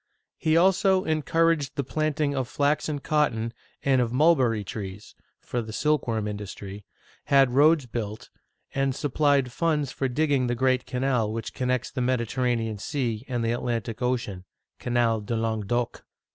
He also encouraged the planting of flax and cotton, and of mul berry trees (for the silkworm industry), had roads built, and supplied funds for digging the great canal which con nects the Mediterranean Sea and the Atlantic Ocean (Canal du Languedoc).